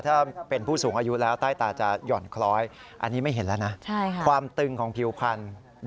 ถ้าเป็นผู้สูงอายุแล้วใต้ตาจะหย่อนคล้อย